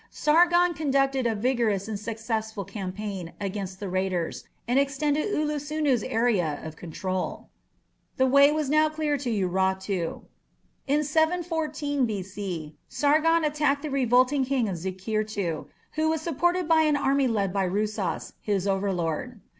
Sargon conducted a vigorous and successful campaign against the raiders, and extended Ullusunu's area of control. The way was now clear to Urartu. In 714 B.C. Sargon attacked the revolting king of Zikirtu, who was supported by an army led by Rusas, his overlord.